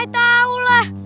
i tau lah